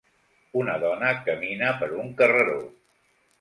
Una dona camina per un carreró